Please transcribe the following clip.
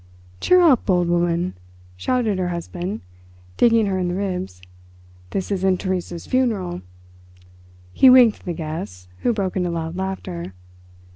"Cheer up, old woman," shouted her husband, digging her in the ribs; "this isn't Theresa's funeral." He winked at the guests, who broke into loud laughter.